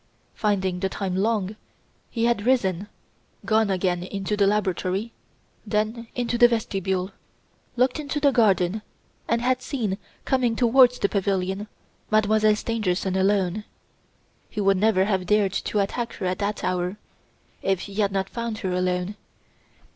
Finding the time long, he had risen, gone again into the laboratory, then into the vestibule, looked into the garden, and had seen, coming towards the pavilion, Mademoiselle Stangerson alone. He would never have dared to attack her at that hour, if he had not found her alone.